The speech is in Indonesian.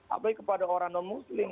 abai kepada orang non muslim